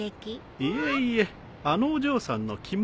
いえいえあのお嬢さんの着物。